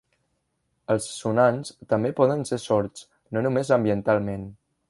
Els sonants també poden ser sords, no només ambientalment.